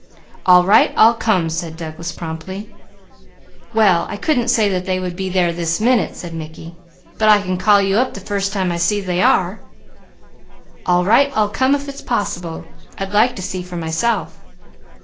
"All right, I'll come," said Douglas promptly. "Well I couldn't say that they would be there this minute," said Mickey, "but I can call you up the first time I see they are." "All right, I'll come, if it's possible. I'd like to see for myself.